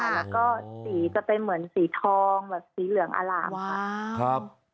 แล้วก็สีจะเป็นเหมือนสีทองแบบสีเหลืองอล่ามค่ะ